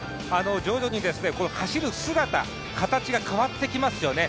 徐々に走る姿、形が変わってきますよね。